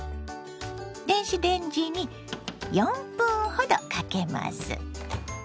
電子レンジに４分ほどかけます。